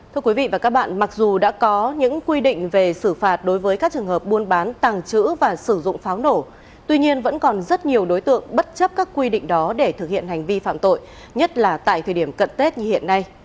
thưa quý vị và các bạn mặc dù đã có những quy định về xử phạt đối với các trường hợp buôn bán tàng trữ và sử dụng pháo nổ tuy nhiên vẫn còn rất nhiều đối tượng bất chấp các quy định đó để thực hiện hành vi phạm tội nhất là tại thời điểm cận tết như hiện nay